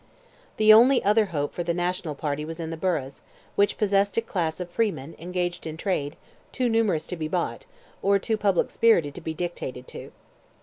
The only other hope for the national party was in the boroughs, which possessed a class of freemen, engaged in trade, too numerous to be bought, or too public spirited to be dictated to.